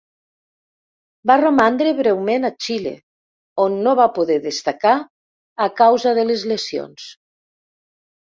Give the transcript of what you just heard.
Va romandre breument a Xile, on no va poder destacar a causa de les lesions.